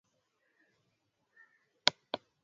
pamoja Ukaja upepo toka juu kama upepo wa nguvu ukienda kasi